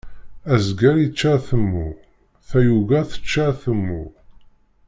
Azger ičča atemmu, tayuga tečča atemmu.